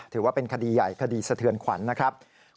ถือว่าเป็นคดีใหญ่คดีสะเทือนขวัญนะครับ